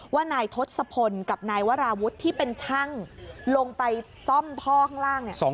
ว่านายทศพลกับนายวราวุฒิที่เป็นช่างลงไปซ่อมท่อข้างล่างเนี่ย